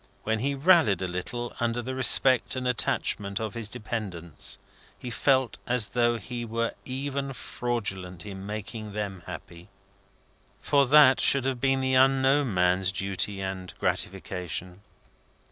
When he rallied a little under the respect and attachment of his dependants, he felt as though he were even fraudulent in making them happy, for that should have been the unknown man's duty and gratification.